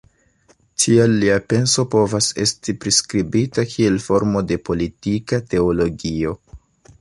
Tial lia penso povas esti priskribita kiel formo de politika teologio.